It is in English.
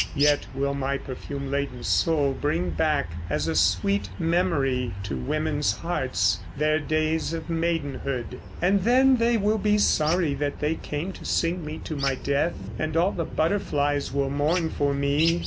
Yet will my perfume laden soul bring back, As a sweet memory, to women's hearts Their days of maidenhood. And then they will be sorry that they came To sing me to my death; And all the butterflies will mourn for me.